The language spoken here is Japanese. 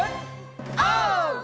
オー！